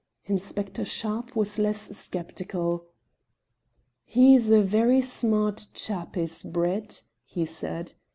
Inspector Sharpe was less sceptical. "He's a very smart chap is Brett," he said.